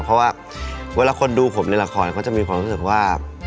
เพราะว่าเวลาคนดูผมในละครเขาจะมีความรู้สึกว่า